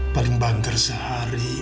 paling bangger sehari